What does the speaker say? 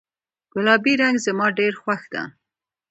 ګلابي رنګ زما ډیر خوښ ده